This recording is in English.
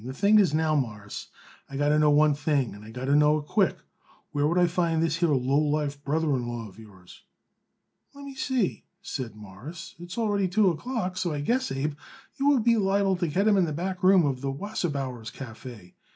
The thing is now, Mawruss, I got to know one thing and I got to know it quick. Where could I find this here lowlife brother in law of yours?" "Let me see," said Morris. "It's already two o'clock, so I guess, Abe, you would be liable to get him in the back room of Wasserbauer's Café.